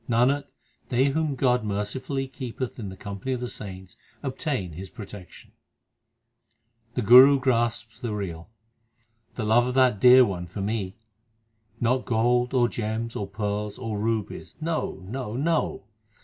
Nanak, they whom God mercifully keepeth in the com pany of the saints, obtain His protection. The Guru grasps the real : The love of that Dear One for me ! Not gold, or gems, or pearls, 1 or rubies ; no, no, no